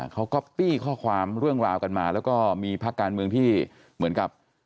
เขาก๊อปปี้ข้อความเรื่องราวกันมาแล้วก็มีพักการเมืองที่เหมือนกับ